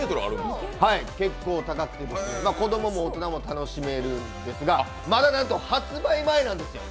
結構高くて、子どもも大人も楽しめるんですが、まだなんと、発売前なんですよ。